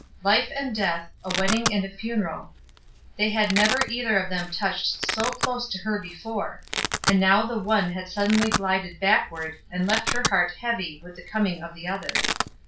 Life and death, a wedding and a funeral they had never either of them touched so close to her before; and now the one had suddenly glided backward, and left her heart heavy with the coming of the other.